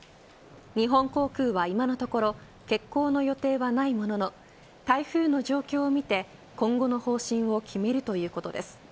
日本航空は今のところ欠航の予定はないものの台風の状況を見て、今後の方針を決めるということです。